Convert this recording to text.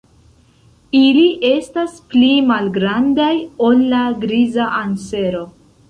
Ili estas pli malgrandaj ol la Griza ansero.